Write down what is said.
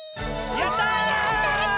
やったち！